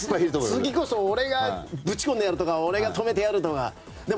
次こそ俺がぶち込んでやるとか俺が止めてやるとかね。